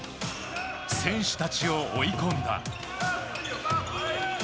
選手たちを追い込んだ。